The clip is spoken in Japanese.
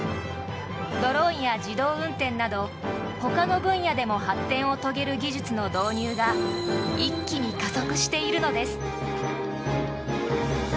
ドローンや自動運転などほかの分野でも発展を遂げる技術の導入が一気に加速しているのです。